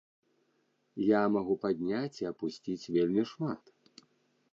Я магу падняць і апусціць вельмі шмат.